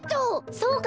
そうか！